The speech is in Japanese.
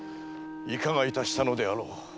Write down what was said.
いかがいたしたのであろう。